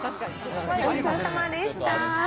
ごちそうさまでした。